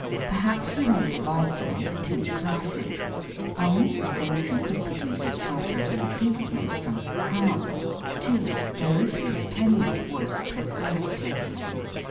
Per haps we may divide them into two classes: (i) those who could produce a charter of enfeoffment from the Crown ; (2) those whose tenure was prescriptive.